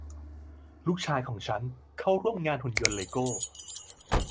ลูกชายของฉันเข้าร่วมงานหุ่นยนต์เลโก้